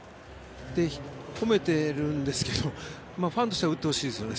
褒めてるんですけどファンとしては打ってほしいですよね。